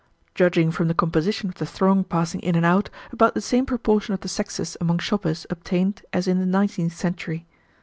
Judging from the composition of the throng passing in and out, about the same proportion of the sexes among shoppers obtained as in the nineteenth century.